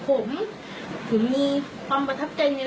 คือมีความประทับใจในเลสเตอร์๔ข้อ